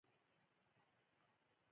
څنګه کولی شم د جنازې لپاره دعا ووایم